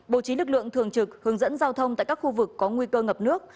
bố trí lực lượng thường trực hướng dẫn giao thông tại các khu vực có nguy cơ ngập nước